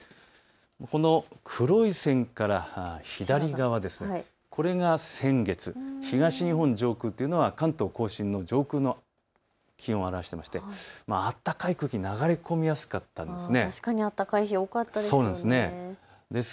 この黒い線から左側、これが先月、東日本上空というのは関東甲信の上空の気温を表していて温かい空気が流れ込みやすかったんです。